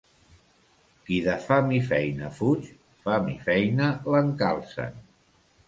Qui de fam i feina fuig, fam i feina l'encalcen.